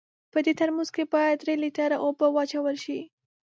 په دې ترموز کې باید درې لیټره اوبه واچول سي.